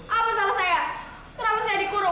apa salah saya kenapa saya dikurung